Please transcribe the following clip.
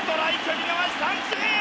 見逃し三振！